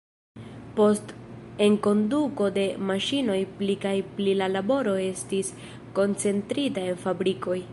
Post enkonduko de maŝinoj pli kaj pli la laboro estis koncentrita en fabrikoj.